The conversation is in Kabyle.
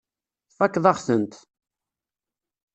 Tfakkeḍ-aɣ-tent.